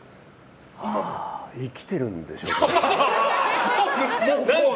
生きてるんでしょうね。